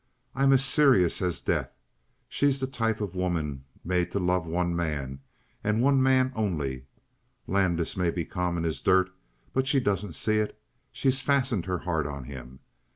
I'm as serious as death. She's the type of woman made to love one man, and one man only. Landis may be common as dirt; but she doesn't see it. She's fastened her heart on him.